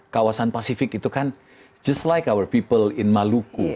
kawasan pasifik itu kan seperti orang orang di maluku